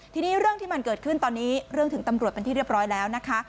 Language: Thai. ทีนี้เรื่องที่มันเกิดขึ้นตอนนี้เรื่องถึงตำรวจเป็นที่เรียบร้อยแล้วนะคะ